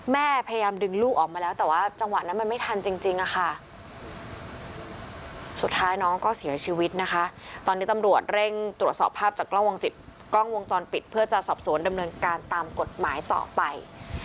แม่พยายามดึงลูกออกมาแล้วแต่ว่าจังหวะนั้นมันไม่ทันจริงอะค่ะสุดท้ายน้องก็เสียชีวิตนะคะตอนนี้ตำรวจเร่งตรวจสอบภาพจากกล้องวงจรปิดเพื่อจะสอบสวนดำเนินการตามกฎหมายต่อไป